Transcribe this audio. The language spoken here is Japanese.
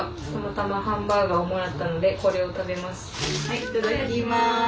いただきます。